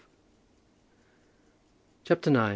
CHAPTER IX.